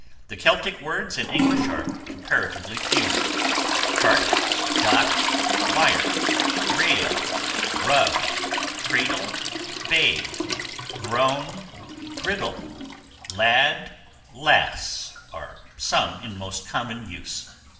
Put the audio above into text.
The Celtic words in English, are comparatively few; cart, dock, wire, rail, rug, cradle, babe, grown, griddle, lad, lass, are some in most common use.